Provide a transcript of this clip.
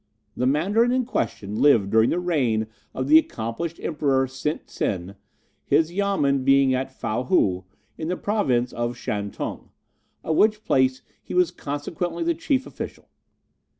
"The Mandarin in question lived during the reign of the accomplished Emperor Tsint Sin, his Yamen being at Fow Hou, in the Province of Shan Tung, of which place he was consequently the chief official.